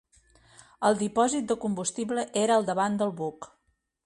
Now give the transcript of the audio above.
El dipòsit de combustible era al davant del buc.